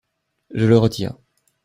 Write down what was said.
Je le retire.